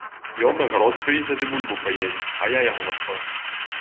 Ён на гарод прыйдзе ды бульбу паесць, а я яму на што?